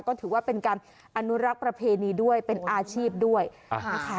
ก็ถือว่าเป็นการอนุรักษ์ประเพณีด้วยเป็นอาชีพด้วยนะคะ